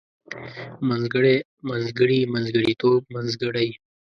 منځګړی منځګړي منځګړيتوب منځګړۍ